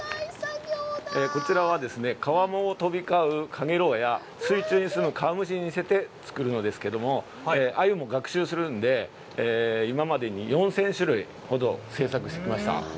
こちらはですね、川面を飛び交うカゲロウや水中に棲む川虫に似せて作るのですけども、鮎も学習するので今までに４０００種類ほど製作してきました。